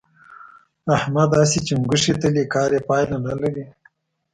احمد هسې چنګوښې تلي؛ کار يې پايله نه لري.